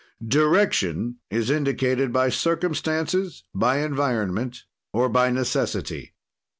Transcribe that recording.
Direction is indicated by circumstances, by environment, or by necessity.